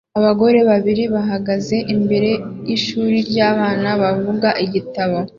Abagore babiri bahagaze imbere yishuri ryabana bavuga igitabo